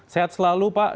sehat selalu pak